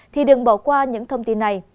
thì đừng bỏ qua những thông tin này